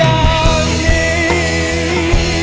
อะไร